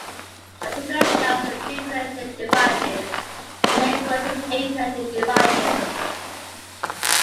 A piconet starts with two connected devices, and may grow to eight connected devices.